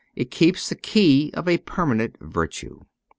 It keeps the key of a permanent virtue.